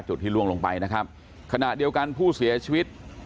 ที่ล่วงลงไปนะครับขณะเดียวกันผู้เสียชีวิต